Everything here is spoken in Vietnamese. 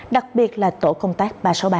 đặc biệt là tổ công tác ba trăm sáu mươi ba